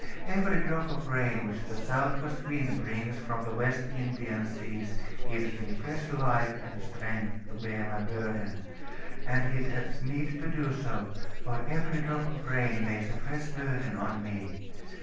Every drop of rain which the south west wind brings from the West Indian seas gives me fresh life and strength to bear my burden; and it has need to do so; for every drop of rain lays a fresh burden on me.